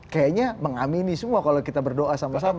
kayaknya mengamini semua kalau kita berdoa sama sama